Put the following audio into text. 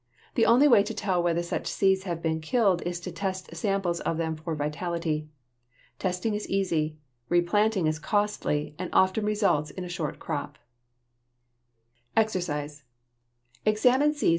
The only way to tell whether such seeds have been killed is to test samples of them for vitality. Testing is easy; replanting is costly and often results in a short crop. [Illustration: FIG. 62.